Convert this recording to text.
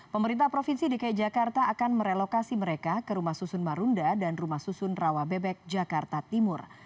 pemerintah provinsi dki jakarta akan merelokasi mereka ke rumah susun marunda dan rumah susun rawa bebek jakarta timur